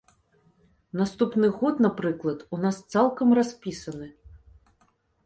Наступны год, напрыклад, у нас цалкам распісаны.